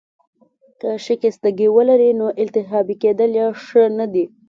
که شکستګي ولرې، نو التهابي کیدل يې ښه نه دي.